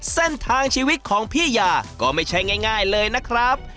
เส้นทางชีวิตของพี่ยาก็ไม่ใช่ง่ายเลยนะครับ